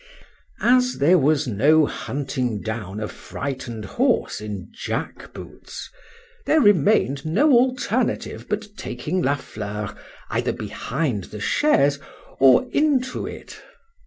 As there was no hunting down a frightened horse in jack boots, there remained no alternative but taking La Fleur either behind the chaise, or into it.